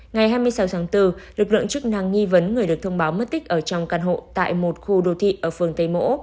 ngày hai mươi sáu tháng bốn lực lượng chức năng nghi vấn người được thông báo mất tích ở trong căn hộ tại một khu đô thị ở phường tây mỗ